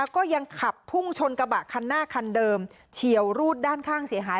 ก็ยังขับพุ่งชนกระบะคันหน้าคันเดิมเฉียวรูดด้านข้างเสียหาย